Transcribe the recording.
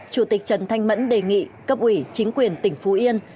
chủ tịch trần thanh mẫn đề nghị cấp ủy chính quyền tỉnh phú yên